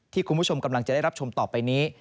คุณผู้ชมกำลังจะได้รับชมต่อไปนี้